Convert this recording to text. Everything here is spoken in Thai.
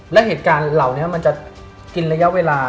และเหตุการณ์เหล่านี้มันจะกินระยะเวลา